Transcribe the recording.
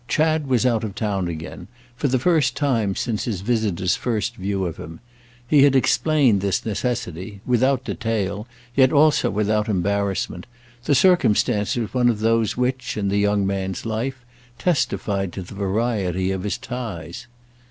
Chad was out of town again, for the first time since his visitor's first view of him; he had explained this necessity—without detail, yet also without embarrassment, the circumstance was one of those which, in the young man's life, testified to the variety of his ties.